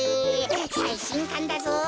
さいしんかんだぞ。